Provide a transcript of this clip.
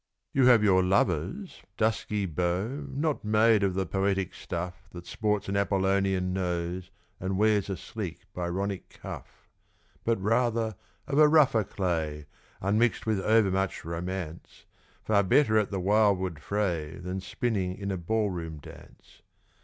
You have your lovers dusky beaux Not made of the poetic stuff That sports an Apollonian nose, And wears a sleek Byronic cuff. But rather of a rougher clay Unmixed with overmuch romance, Far better at the wildwood fray Than spinning in a ballroom dance.